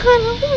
kan yang ini